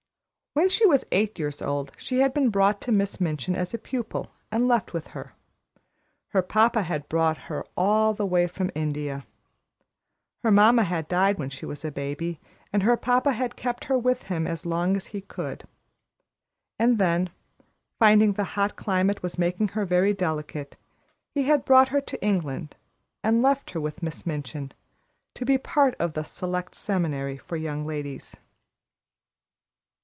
When she was eight years old, she had been brought to Miss Minchin as a pupil, and left with her. Her papa had brought her all the way from India. Her mamma had died when she was a baby, and her papa had kept her with him as long as he could. And then, finding the hot climate was making her very delicate, he had brought her to England and left her with Miss Minchin, to be part of the Select Seminary for Young Ladies.